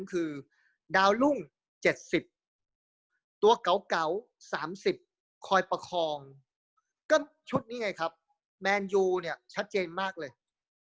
คือดาวรุ่ง๗๐ตัวเก่า๓๐คอยประคองก็ชุดนี้ไงครับแมนยูเนี่ยชัดเจนมากเลย